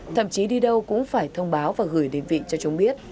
thậm chí đi đâu cũng phải thông báo và gửi đến vị cho chúng biết